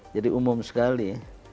jadi umum sekali